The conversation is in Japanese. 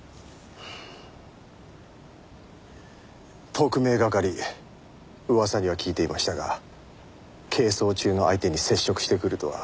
特命係噂には聞いていましたが係争中の相手に接触してくるとは。